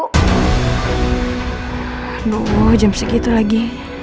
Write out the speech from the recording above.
aduh jam segitu lagi